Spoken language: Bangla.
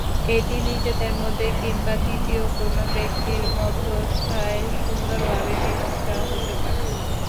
এটি নিজেদের মধ্যে কিংবা তৃতীয় কোনো ব্যক্তির মধ্যস্থতায় সুন্দরভাবে মীমাংসা হতে পারত।